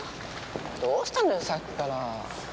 どうしたのよさっきから。